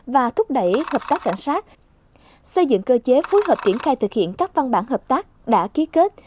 và thúc đẩy hợp tác cảnh sát xây dựng cơ chế phối hợp triển khai thực hiện các văn bản hợp tác đã ký kết